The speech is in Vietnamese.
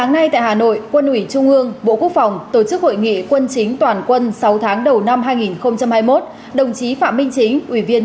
hãy đăng ký kênh để ủng hộ kênh của chúng mình nhé